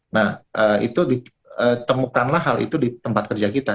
nah itu ditemukanlah hal itu di tempat kerja kita